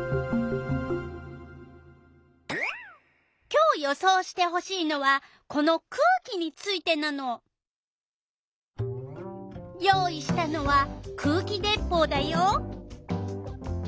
今日予想してほしいのはこの「空気」についてなの。用意したのは空気でっぽうだよ。